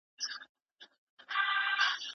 ¬ د پادوان پر خپله غوا نظر وي.